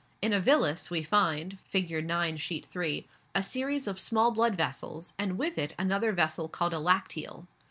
In a villus we find (Figure IX., Sheet 3) a series of small blood vessels and with it another vessel called a lacteal.